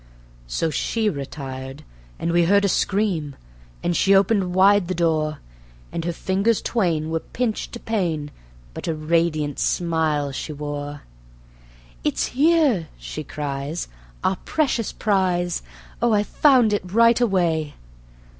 So she retired; and we heard a scream, and she opened wide the door; And her fingers twain were pinched to pain, but a radiant smile she wore: "It's here," she cries, "our precious prize. Oh, I found it right away.